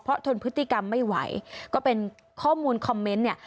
เพราะทนพฤติกรรมไม่ไหวก็เป็นข้อมูลคอมเมนต์เนี่ย